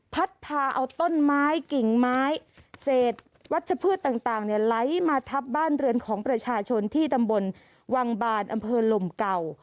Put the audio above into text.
พัดพาเอาต้นไม้กิ่งไม้เศษวัชพืชต่างไหลมาทับบ้านเรือนของประชาชนที่ตำบลวังบานอำเภอลมเก่า